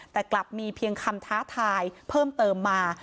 แต่กลับมีเพียงคำท้าทายเพิ่มเติมมา